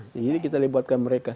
jadi kita libatkan mereka